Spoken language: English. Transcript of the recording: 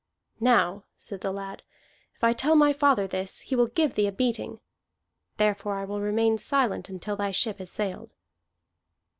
"Now," said the lad, "if I tell my father this, he will give thee a beating. Therefore I will remain silent until thy ship has sailed."